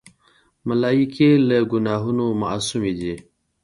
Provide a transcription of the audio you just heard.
ملایکې له ګناهونو معصومی دي.